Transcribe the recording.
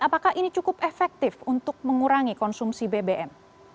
apakah ini cukup efektif untuk mengurangi konsumsi bbm